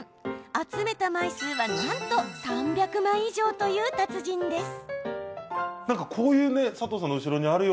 集めた枚数は、なんと３００枚以上という達人です。